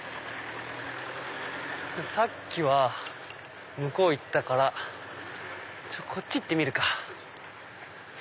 さっきは向こう行ったからこっち行ってみるか。